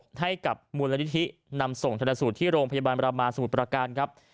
ให้กับมูลนิธินำส่งธนสูตรที่โรงพยาบาลรามาสมุทรประการครับ